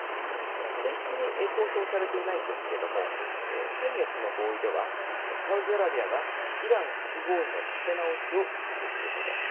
正式に公表されていないんですけど先月の合意ではサウジアラビアがイラン核合意の立て直しを支持すること。